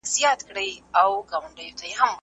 خو پښتو خپل حق غواړي